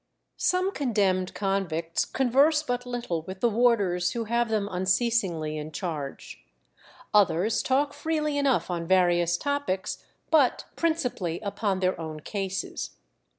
Some condemned convicts converse but little with the warders who have them unceasingly in charge. Others talk freely enough on various topics, but principally upon their own cases.